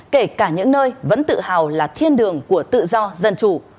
kể cả những nơi vẫn tự hào là thiên đường của tự do dân chủ